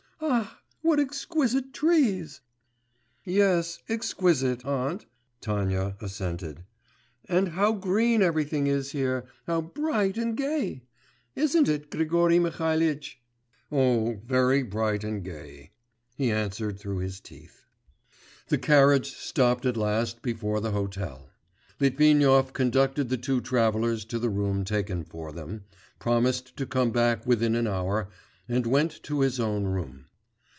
Ah, what exquisite trees!' 'Yes, exquisite, aunt,' Tanya assented, 'and how green everything is here, how bright and gay! Isn't it, Grigory Mihalitch?' 'Oh, very bright and gay' ... he answered through his teeth. The carriage stopped at last before the hotel. Litvinov conducted the two travellers to the room taken for them, promised to come back within an hour, and went to his own room.